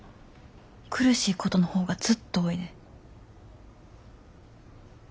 苦しいことの方がずっと多いで。